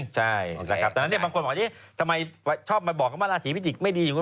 แต่ตั้งแต่บางคนมันบอกแล้วเนี่ยพี่จิกแล้วลาสีก็ไม่ดียังไง